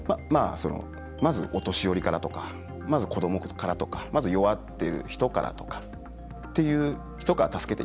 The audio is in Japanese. まず、お年寄りからとかまず、子どもからとかまず、弱っている人からとかという人から助けて。